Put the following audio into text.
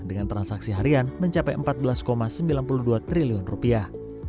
dengan transaksi harian mencapai empat belas sembilan puluh dua triliun rupiah